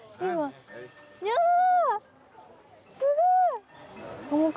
すごい！